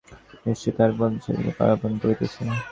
নিশ্চয় তাহার মনটা সেইদিকে পালাইপোলাই করিতেছে।